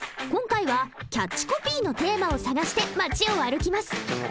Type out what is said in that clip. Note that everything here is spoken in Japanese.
今回はキャッチコピーのテーマを探して街を歩きます。